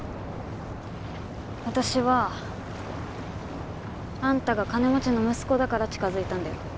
私はあんたが金持ちの息子だから近づいたんだよ。